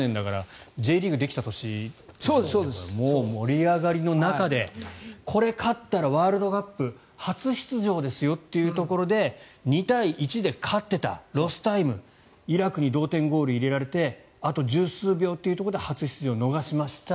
盛り上がりの中でこれ、勝ったらワールドカップ初出場ですよというところで２対１で勝ってたロスタイムイラクに同点ゴールを入れられてあと１０数秒というところで初出場を逃しました。